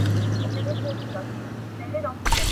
که په وخت اوبه ورنه کړل شي نو تنکي بوټي ژر وچیږي.